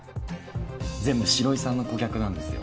全部城井さんの顧客なんですよ。